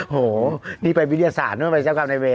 โหนี่ไปวิทยาศาสตร์ด้วยไปเจ้ากรรมในเวย